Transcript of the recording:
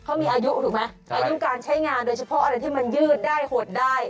เขามีอายุถูกไหมอายุการใช้งานโดยเฉพาะอะไรที่มันยืดได้หดได้